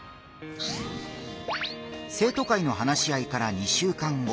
生徒会の話し合いから２週間後。